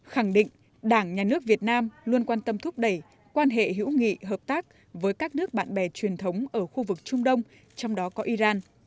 khẳng định đảng nhà nước việt nam luôn quan tâm thúc đẩy quan hệ hữu nghị hợp tác với các nước bạn bè truyền thống ở khu vực trung đông trong đó có iran